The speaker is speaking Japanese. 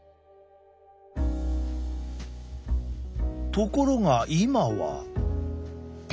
ところが今は。